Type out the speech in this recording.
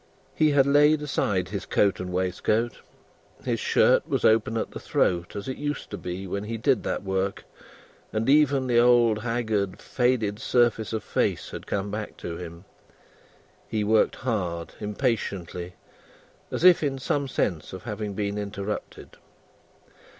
He had laid aside his coat and waistcoat; his shirt was open at the throat, as it used to be when he did that work; and even the old haggard, faded surface of face had come back to him. He worked hard impatiently as if in some sense of having been interrupted.